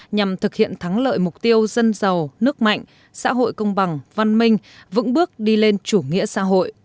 nhằm thực hiện thắng lợi mục tiêu dân giàu nước mạnh xã hội công bằng văn minh vững bước đi lên chủ nghĩa xã hội